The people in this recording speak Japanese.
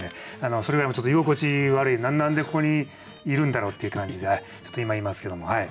それぐらい今ちょっと居心地悪い何でここにいるんだろうっていう感じでちょっと今いますけどもはい！